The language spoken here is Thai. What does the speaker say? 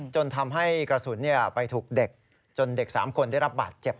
จนทำให้กระสุนที่กระสุนไปถูกเด็กจนเด็กสามคนได้รับบาดเจ็บ